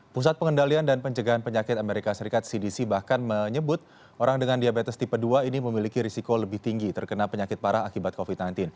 pusat pengendalian dan pencegahan penyakit amerika serikat cdc bahkan menyebut orang dengan diabetes tipe dua ini memiliki risiko lebih tinggi terkena penyakit parah akibat covid sembilan belas